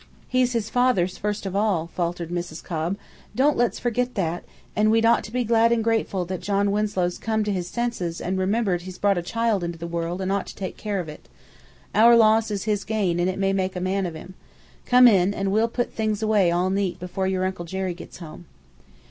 "He's his father's first of all," faltered Mrs. Cobb; "don't let's forget that; and we'd ought to be glad and grateful that John Winslow's come to his senses an' remembers he's brought a child into the world and ought to take care of it. Our loss is his gain and it may make a man of him. Come in, and we'll put things away all neat before your Uncle Jerry gets home."